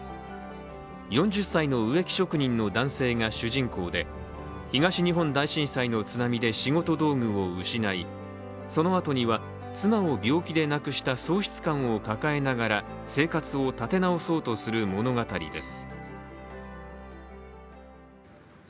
４０歳の植木職人の男性が主人公で東日本大震災の津波で仕事道具を失いそのあとには妻を病気で亡くした喪失感を抱えながら生活を立て直そうとする物語です。